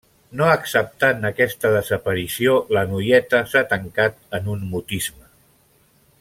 No acceptant aquesta desaparició, la noieta s'ha tancat en un mutisme.